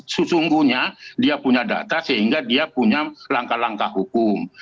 sesungguhnya dia punya data sehingga dia punya langkah langkah hukum